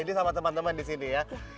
ini sama teman teman di sini ya